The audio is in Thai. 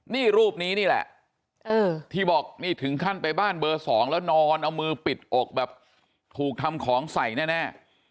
นี่รูปนี้นี่แหละที่บอกนี่ถึงขั้นไปบ้านเบอร์๒แล้วนอนเอามือปิดอกแบบถูกทำของใส่แน่